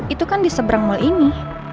itu kan di seberang mal ini